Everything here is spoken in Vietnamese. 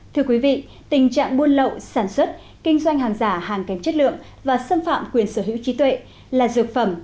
tình trạng buôn lậu sản xuất kinh doanh hàng giả hàng kém chất lượng và xâm phạm quyền sở hữu trí tuệ là dược phẩm